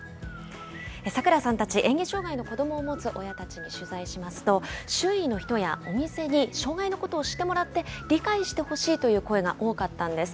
さくらさんたち、えん下障害の子どもを持つ親たちを取材しますと、周囲の人やお店に障害のことを知ってもらって、理解してほしいという声が多かったんです。